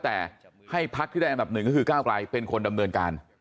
แต่ให้พักที่ได้อันดับหนึ่งก็คือก้าวกลายเป็นคนดำเนินการ